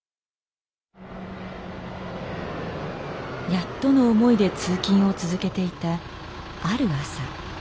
やっとの思いで通勤を続けていたある朝。